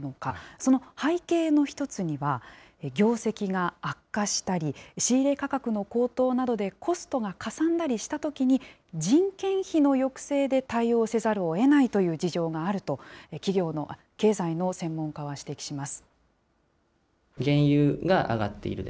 その背景の一つには、業績が悪化したり、仕入れ価格の高騰などでコストがかさんだりしたときに、人件費の抑制で対応せざるをえないという事情があると、経済の専門家は指摘します。